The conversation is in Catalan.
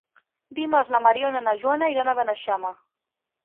Dimarts na Mariona i na Joana iran a Beneixama.